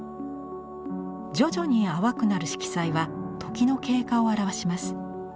徐々に淡くなる色彩は時の経過を表します。